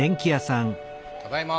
ただいま！